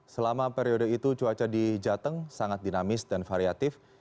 selama periode itu cuaca di jateng sangat dinamis dan variatif